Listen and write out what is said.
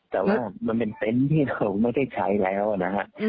แต่ว่ามันเป็นเต็นต์ที่เราไม่ได้ใช้แล้วนะฮะ